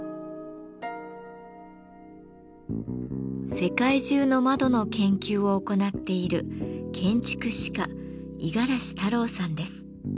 世界中の窓の研究を行っている建築史家五十嵐太郎さんです。